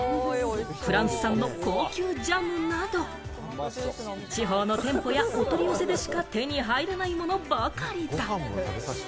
フランス産の高級ジャムなど、地方の店舗やお取り寄せでしか手に入らないものばかりだ。